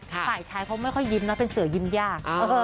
ฝ่ายชายเขาไม่ค่อยยิ้มนะเป็นเสือยิ้มยาก